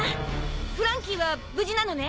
フランキーは無事なのね？